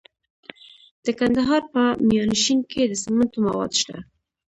د کندهار په میانشین کې د سمنټو مواد شته.